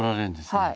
はい。